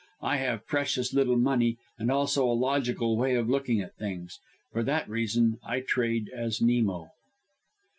I have precious little money and also a logical way of looking at things. For that reason I trade as Nemo."